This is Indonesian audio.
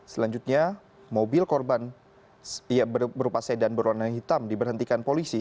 selanjutnya mobil korban berupa sedan berwarna hitam diberhentikan polisi